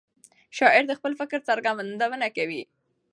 شاعر د خپل فکر څرګندونه کوي.